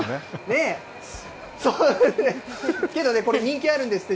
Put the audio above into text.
けどね、これ、人気あるんですって。